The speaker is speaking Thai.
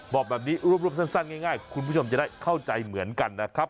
บอกแบบนี้รวบสั้นง่ายคุณผู้ชมจะได้เข้าใจเหมือนกันนะครับ